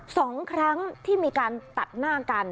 สองครั้งที่มีการตัดหน้ากัน